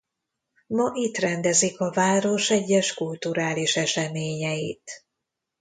Ma itt rendezik a város egyes kulturális eseményeit.